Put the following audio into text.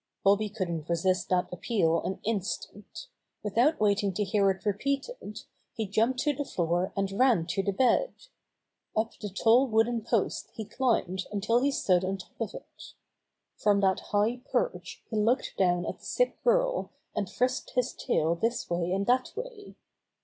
Bobby couldn't resist that appeal an in stant. Without waiting to hear it repeated he jumped to the floor and ran to the bed. Up the tall wooden post he climbed until he stood on top of it. From that high perch he looked down at the sick girl and frisked his tail this way and that way.